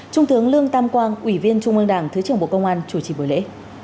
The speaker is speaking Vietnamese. trung tướng lương tam quang ủy viên trung ương đảng thứ trưởng bộ công an chủ trì buổi lễ